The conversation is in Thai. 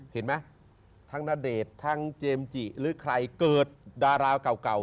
เห็นไหมทั้งณเดชน์ทั้งเจมส์จิหรือใครเกิดดาราเก่า